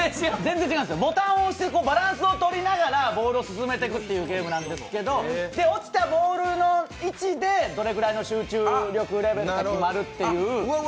ボタンを押してバランスを取りながらボールを進めていくっていうゲームなんですけど落ちたボールの位置でどれくらいの集中力レベルかが決まるっていう。